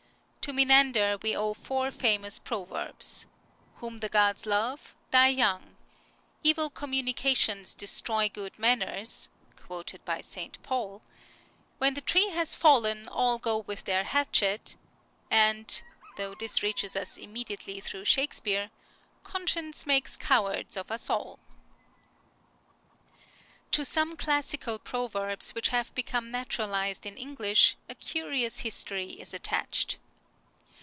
To Menander we owe four famous proverbs :" Whom the Gods love die young," " Evil com munications destroy good manners " (quoted by St. Paul), " When the tree has fallen, all go with their hatchet," and (though this reaches us im mediately through Shakespeare) " Conscience makes cowards of us all," To some classical proverbs which have become 264 CURIOSITIES OF naturalised in English a curious history is attached.